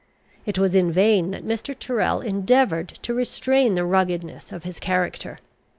It was in vain that Mr. Tyrrel endeavoured to restrain the ruggedness of his character.